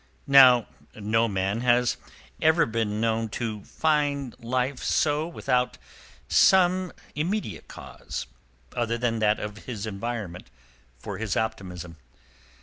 Now no man has ever been known so to find life without some immediate cause, other than that of his environment, for his optimism.